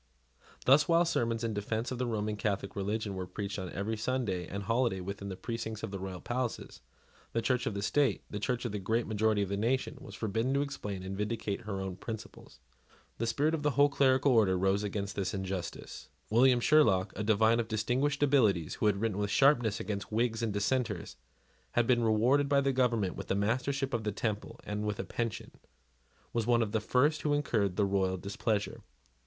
Thus, while sermons in defence of the Roman Catholic religion were preached on every Sunday and holiday within the precincts of the royal palaces, the Church of the state, the Church of the great majority of the nation, was forbidden to explain and vindicate her own principles. The spirit of the whole clerical order rose against this injustice. William Sherlock, a divine of distinguished abilities, who had written with sharpness against Whigs and Dissenters, and had been rewarded by the government with the Mastership of the Temple and with a pension, was one of the first who incurred the royal displeasure.